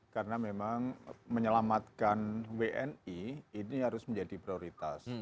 karena memang menyelamatkan wni ini harus menjadi prioritas